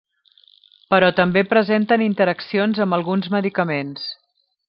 Però també presenten interaccions amb alguns medicaments.